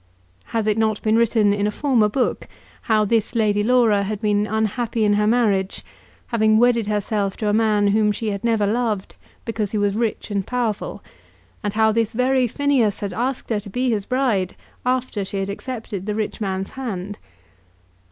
Has it not been written in a former book how this Lady Laura had been unhappy in her marriage, having wedded herself to a man whom she had never loved, because he was rich and powerful, and how this very Phineas had asked her to be his bride after she had accepted the rich man's hand?